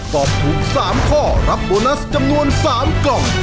ตอบถูก๓ข้อรับโบนัสจำนวน๓กล่อง